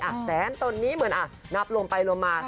อ่ะแสนต้นนี้เหมือนอ่ะนับลงไปลงมา